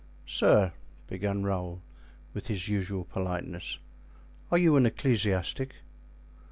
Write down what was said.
"Sir," began Raoul, with his usual politeness, "are you an ecclesiastic?"